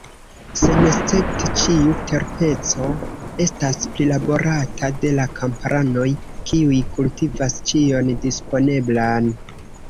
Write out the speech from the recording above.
Senescepte, ĉiu terpeco estas prilaborata de la kamparanoj, kiuj kultivas ĉion disponeblan.